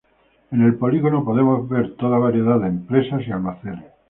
En el polígono podemos ver toda variedad de empresas y almacenes.